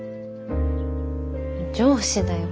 上司だよ